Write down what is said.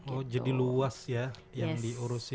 oh jadi luas ya yang diurusin